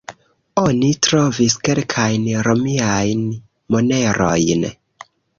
Oni trovis kelkajn romiajn monerojn.